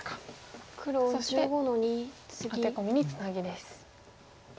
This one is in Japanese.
そしてアテコミにツナギです。